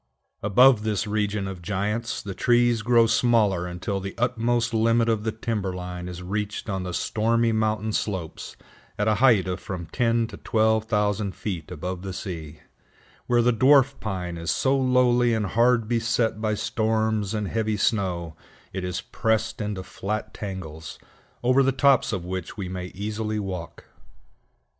Above this region of giants, the trees grow smaller until the utmost limit of the timber line is reached on the stormy mountain slopes at a height of from ten to twelve thousand feet above the sea, where the Dwarf Pine is so lowly and hard beset by storms and heavy snow, it is pressed into flat tangles, over the tops of which we may easily walk.